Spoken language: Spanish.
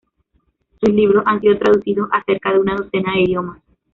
Sus libros han sido traducidos a cerca una docena de idiomas.